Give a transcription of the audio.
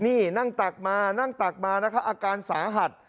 นี่นั่งตักมานั่งตักมานะคะอาการสาหัส